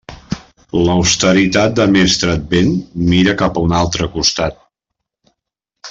L'austeritat de mestre Advent mira cap a un altre costat.